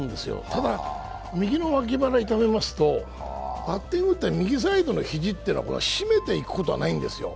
ただ、右のわき腹を痛めますと、バッティングって右サイドの肘って締めていくことはないんですよ